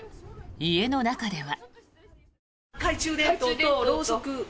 家の中では。